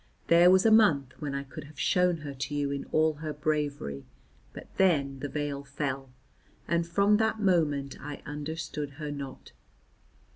There was a month when I could have shown her to you in all her bravery, but then the veil fell, and from that moment I understood her not.